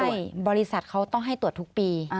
ใช่บริษัทเขาต้องให้ตรวจทุกปี